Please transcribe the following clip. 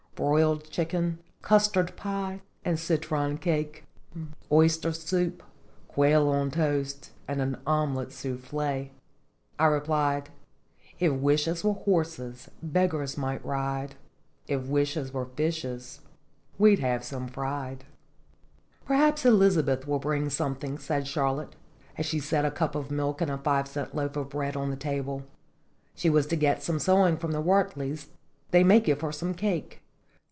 broiled chicken, custard pie, and citron cake?" "Oyster soup, quail on toast, and an ome lette soufitee," I replied ' If wishes were horses, beggers might ride ; If wishes were fishes, we'd have some fried.' " "Perhaps Elizabeth will bring something," said Charlotte, as she set a cup of milk and a five cent loaf of bread on the table. "She was to get some sewing from the Wertley's they may give her some cake."